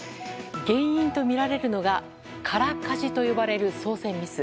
原因とみられるのが空かじと呼ばれる操船ミス。